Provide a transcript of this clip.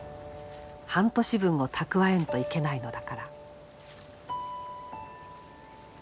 半年分を蓄えんといけないのだから」。